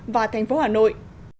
và thành phố hà nội